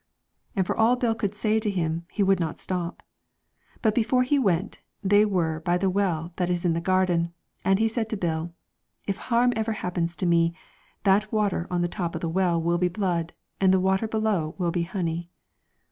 And for all Bill could say to him, he would not stop. But before he went, they were by the well that was in the garden, and he said to Bill, ' If harm ever happens to me, that water on the top of the well will be blood, and the water below will be honey.'